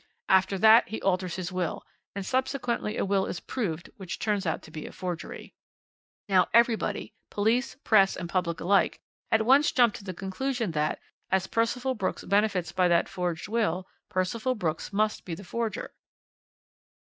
After that he alters his will, and subsequently a will is proved which turns out to be a forgery. "Now everybody police, press, and public alike at once jump to the conclusion that, as Percival Brooks benefits by that forged will, Percival Brooks must be the forger."